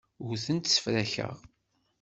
Ur tent-ssefrakeɣ.